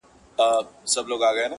د پاچا لمن لاسونو كي روان وه-